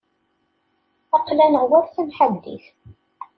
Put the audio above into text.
Aql-aneɣ war tamḥaddit.